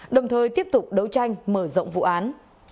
đồng thời tiếp tục đấu tranh mở rộng vụ án